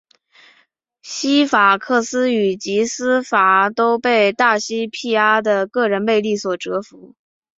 西法克斯与吉斯戈都被大西庇阿的个人魅力所折服。